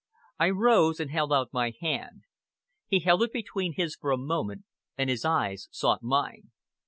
I rose and held out my hand. He held it between his for a moment, and his eyes sought mine.